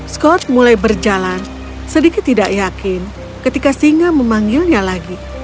scott mulai berjalan sedikit tidak yakin ketika singa memanggilnya lagi